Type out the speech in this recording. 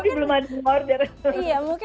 tapi belum ada order